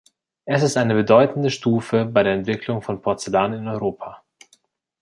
Es ist eine bedeutende Stufe bei der Entwicklung von Porzellan in Europa.